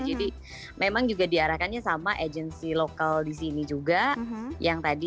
jadi memang juga diarahkannya sama agency lokal di sini juga